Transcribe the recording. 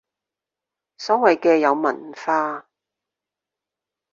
所謂嘅有文化